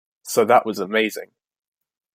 So that was amazing.